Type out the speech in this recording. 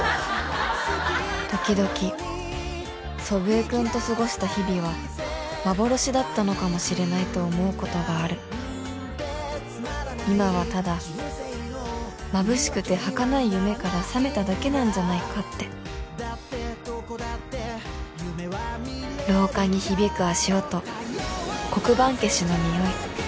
時々祖父江君と過ごした日々は幻だったのかもしれないと思うことがある今はただまぶしくてはかない夢からさめただけなんじゃないかって廊下に響く足音黒板消しのニオイ